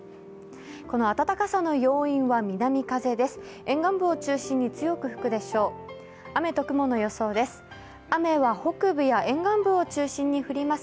この暖かさの要因は南風です。